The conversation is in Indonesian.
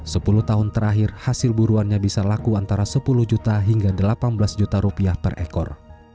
sepuluh tahun terakhir hasil buruannya bisa laku antara sepuluh juta hingga delapan belas juta rupiah per ekor